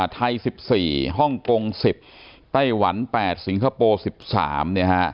ไทย๑๔ฮ่องกง๑๐ไต้หวัน๘สิงคโปร์๑๓เนี่ยฮะ